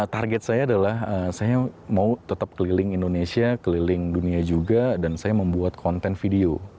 target saya adalah saya mau tetap keliling indonesia keliling dunia juga dan saya membuat konten video